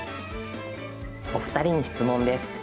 お二人に質問です。